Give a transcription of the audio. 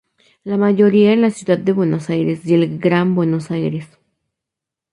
La mayoría en la Ciudad de Buenos Aires y el Gran Buenos Aires.